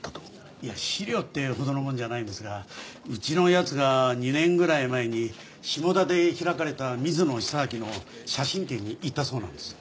いや資料っていうほどのものじゃないんですがうちの奴が２年ぐらい前に下田で開かれた水野久明の写真展に行ったそうなんです。